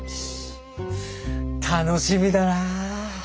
楽しみだな。